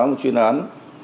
một chuyên án